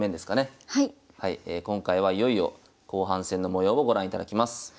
今回はいよいよ後半戦の模様をご覧いただきます。